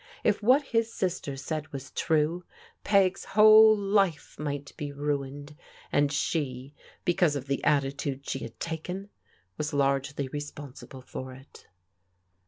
If what his sister said was true. Peg's whole life might be ruined, and she, because of the attitude she had taken, was largely responsible for it.